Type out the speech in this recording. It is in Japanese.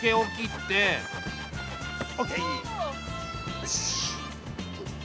よし。